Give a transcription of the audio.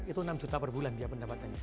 itu enam juta per bulan dia pendapatannya